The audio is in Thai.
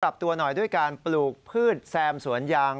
ปรับตัวหน่อยด้วยการปลูกพืชแซมสวนยาง